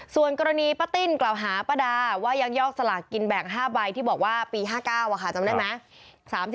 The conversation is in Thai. ส่วนกรณีป้าติ้นกล่าวหาป้าดาว่ายักยอกสลากกินแบ่ง๕ใบที่บอกว่าปี๕๙จำได้ไหม